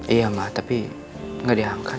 iya mbak tapi nggak diangkat